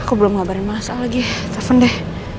aku belum ngabarin masuk lagi telepon deh